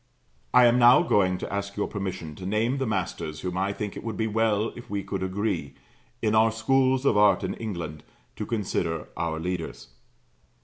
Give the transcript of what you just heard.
I am now going to ask your permission to name the masters whom I think it would be well if we could agree, in our Schools of Art in England, to consider our leaders.